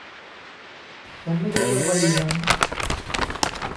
ฉันไม่ได้เลือกวลีนั้น